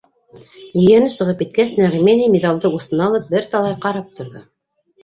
Ейәне сығып киткәс, Нәғимә инәй миҙалды усына алып, бер талай ҡарап торҙо.